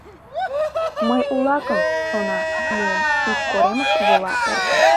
«Мый улакым, — шона, — муым», Пич коремыш вола эркын.